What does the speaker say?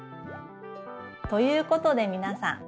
ということでみなさん